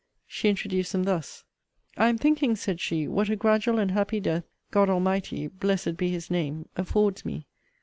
She introduced them thus: I am thinking, said she, what a gradual and happy death God Almighty (blessed be his name) affords me!